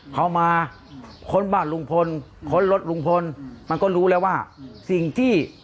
เขามาค้นบ้านลุงพลค้นรถลุงพลมันก็รู้แล้วว่าสิ่งที่